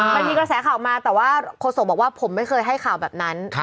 มันมีกระแสข่าวมาแต่ว่าโฆษกบอกว่าผมไม่เคยให้ข่าวแบบนั้น